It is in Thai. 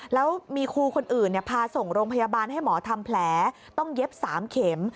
แล้วมีครูคนอื่นพาส่งโรงพยาบาลให้หมอทำแผลต้องเย็บ๓เข็ม